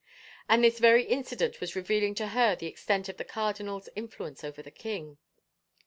And this very incident was revealing to her the extent of the cardinal's influence over the king.